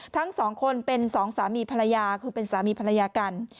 ทั้งสองคนเป็นสองสามีภรรยาคือเป็นสามีภรรยากัน